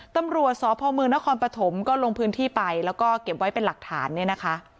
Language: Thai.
ตำรวจสพมนครปฐมก็ลงพื้นที่ไปแล้วก็เก็บไว้เป็นหลักฐานเนี่ยนะคะ